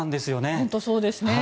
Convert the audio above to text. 本当にそうですね。